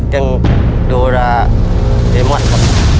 เรื่องโดราเอมอนครับ